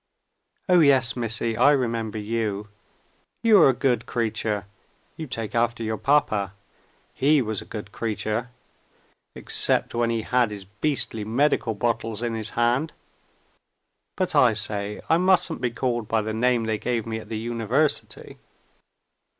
"Oh, yes, Missie, I remember you. You are a good creature. You take after your papa. He was a good creature except when he had his beastly medical bottles in his hand. But, I say, I mustn't be called by the name they gave me at the University!